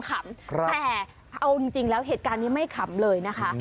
แต่เอาจริงแล้วเหตุการณ์นี้ไม่ขำเลยนะคะ